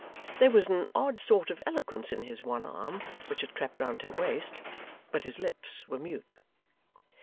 There was an odd sort of eloquence in his one arm, which had crept round her waist: but his lips were mute.